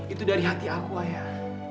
itu dari hati aku ayah